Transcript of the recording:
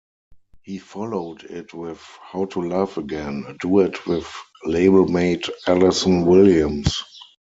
He followed it with "How to Love Again," a duet with labelmate Alyson Williams.